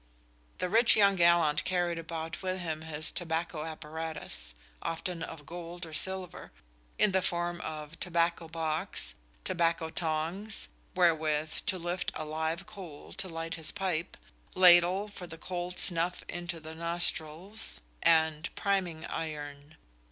The rich young gallant carried about with him his tobacco apparatus (often of gold or silver) in the form of tobacco box, tobacco tongs wherewith to lift a live coal to light his pipe, ladle "for the cold snuffe into the nosthrill," and priming iron.